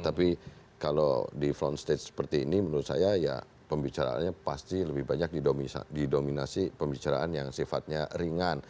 tapi kalau di front stage seperti ini menurut saya ya pembicaraannya pasti lebih banyak didominasi pembicaraan yang sifatnya ringan